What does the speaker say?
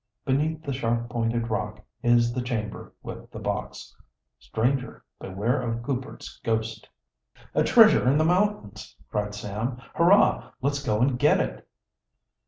Beneath the sharp pointed rock is the chamber with the box. Stranger, beware of Goupert's ghost." "A treasure in the mountains!" cried Sam. "Hurrah! let's go and get it!"